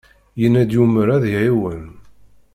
Yenna-d yumer ad iɛiwen.